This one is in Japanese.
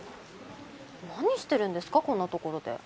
何してるんですかこんなところで。